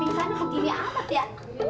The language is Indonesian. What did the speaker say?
pingsannya kegini amat ya